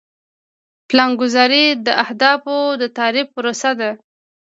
پلانګذاري د اهدافو د تعریف پروسه ده.